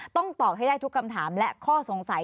ต้องตอบให้ได้ทุกคำถามและข้อสงสัย